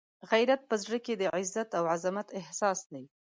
غیرت په زړه کې د عزت او عزمت احساس دی.